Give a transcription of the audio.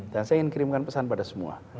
dan saya ingin kirimkan pesan pada semua